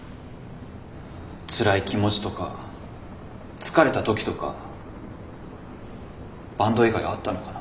つらい気持ちとか疲れた時とかバンド以外あったのかな。